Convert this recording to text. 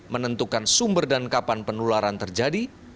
menentukan sumber dan kapan penularan terjadi